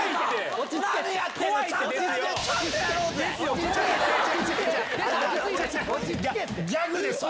落ち着けって！